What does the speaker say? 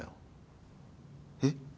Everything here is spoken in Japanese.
えっ？